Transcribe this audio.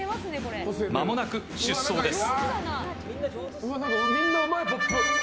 まもなく出走です。